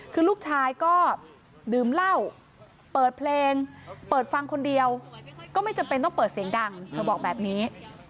คือลูกชายก็ดื่มเหล้าเปิดเพลงเปิดฟังคนเดียวก็ไม่จำเป็นต้องเปิดเสียงดังเธอบอกแบบนี้